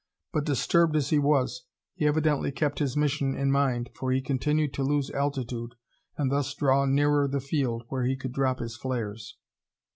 But disturbed as he was, he evidently kept his mission in mind for he continued to lose altitude and thus draw nearer the field where he could drop his flares.